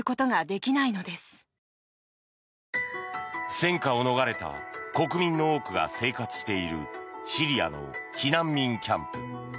戦火を逃れた国民の多くが生活しているシリアの避難民キャンプ。